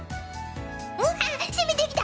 うわっ攻めてきた